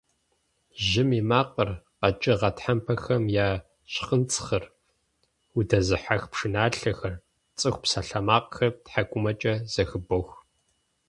Жьым и макъыр, къэкӀыгъэ тхьэмпэхэм я щхъынцхъыр, удэзыхьэх пшыналъэхэр, цӀыху псалъэмакъхэр тхьэкӀумэкӀэ зэхыбох.